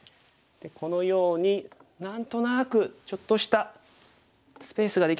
このように何となくちょっとしたスペースができそうですよね。